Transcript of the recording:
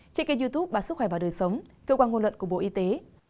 trên kênh youtube bà sức khỏe và đời sống cơ quan ngôn luận của bộ y tế